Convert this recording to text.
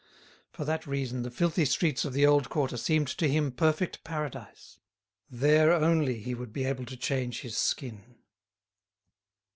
For that reason the filthy streets of the old quarter seemed to him perfect paradise. There, only, he would be able to change his skin.